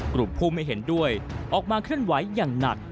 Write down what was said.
กลุ่มผู้ไม่เห็นด้วยออกมาเคลื่อนไหวอย่างหนัก